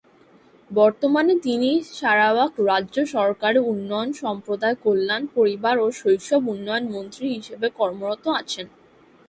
বর্তমানে তিনি সারাওয়াক রাজ্য সরকারে উন্নয়ন, সম্প্রদায় কল্যাণ, পরিবার ও শৈশব উন্নয়ন মন্ত্রী হিসেবে কর্মরত আছেন।